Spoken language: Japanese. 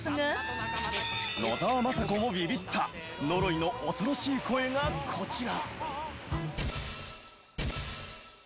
野沢雅子もビビったノロイの恐ろしい声がこちら。